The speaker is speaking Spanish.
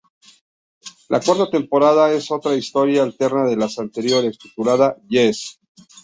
La cuarta temporada es otra historia alterna de las anteriores, titulada Yes!